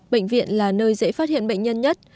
bệnh viện là nơi dễ phát hiện bệnh nhân nhất